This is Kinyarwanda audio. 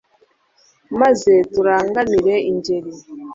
maze turangamire ingeri